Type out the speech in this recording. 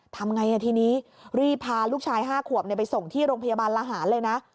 ทำไงทีนี้รีบพาลูกชาย๕ขวบไปส่งที่โรงพยาบาลละหารเลยนะ